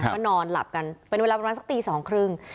ก็นอนหลับกันเป็นเวลาประมาณสักตีสองครึ่ง